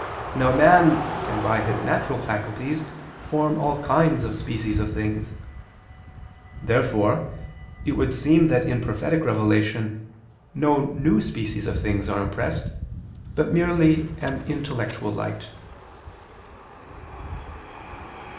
Now man can by his natural faculties form all kinds of species of things. Therefore it would seem that in prophetic revelation no new species of things are impressed, but merely an intellectual light.